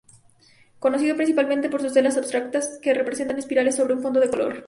Conocido principalmente por sus telas abstractas que representan espirales sobre un fondo de color.